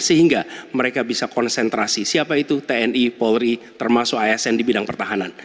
sehingga mereka bisa konsentrasi siapa itu tni polri termasuk asn di bidang pertahanan